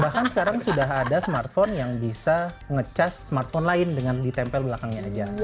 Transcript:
bahkan sekarang sudah ada smartphone yang bisa nge charge smartphone lain dengan ditempel belakangnya aja